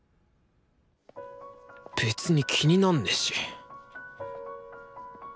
別に気になんねし！